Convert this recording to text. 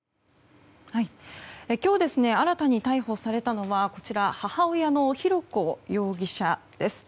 今日新たに逮捕されたのは母親の浩子容疑者です。